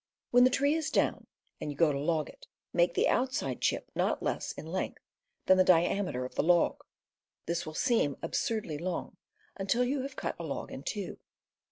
When the tree is down and you go to log it up, make the outside chip not less in length than the diameter .^^ of the log. This will seem absurdly ^^^^* long, until you have cut a log in two.